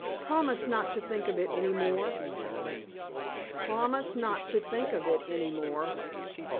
Promise not to think of it any more." Promise not to think of it any more?